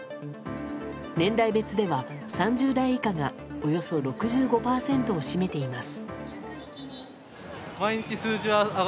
年代別では３０代以下がおよそ６５％を占めています。